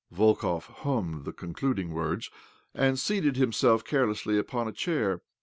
" Volkov hummed the concluding words, and seated himself carelessly upon a chair.